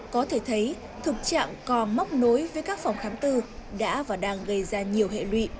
có thể thấy thực trạng co móc nối với các phòng khám tư đã và đang gây ra nhiều hệ lụy